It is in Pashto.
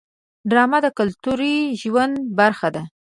ډرامه د کلتوري ژوند برخه ده